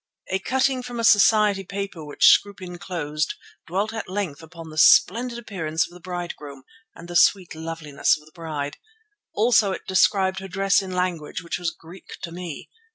A cutting from a society paper which Scroope enclosed dwelt at length upon the splendid appearance of the bridegroom and the sweet loveliness of the bride. Also it described her dress in language which was Greek to me.